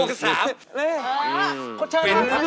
เป็นคับแพงจนผู้หญิงก็ไม่รู้